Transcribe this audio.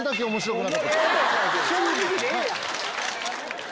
正直でええやん。